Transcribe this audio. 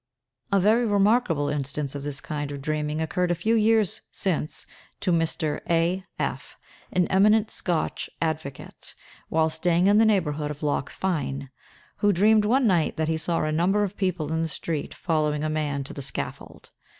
A very remarkable instance of this kind of dreaming occurred a few years since to Mr. A—— F——, an eminent Scotch advocate, while staying in the neighborhood of Loch Fyne, who dreamed one night that he saw a number of people in the street following a man to the scaffold.